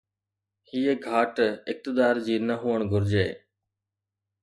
هي گهاٽ اقتدار جي نه هئڻ گهرجي.